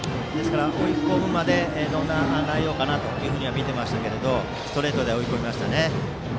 追い込むまで、どんな内容かなと見ていましたけどストレートで追い込みましたね。